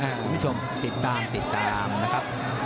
คุณผู้ชมติดตามติดตามนะครับ